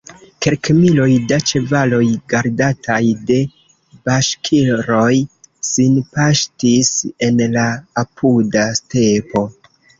Kelkmiloj da ĉevaloj, gardataj de baŝkiroj, sin paŝtis en la apuda stepo.